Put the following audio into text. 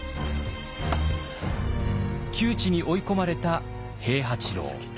窮地に追い込まれた平八郎。